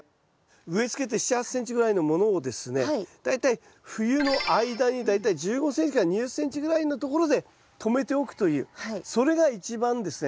植えつけて７８ｃｍぐらいのものをですね大体冬の間に大体１５ｃｍから２０ｃｍぐらいのところで止めておくというそれが一番ですね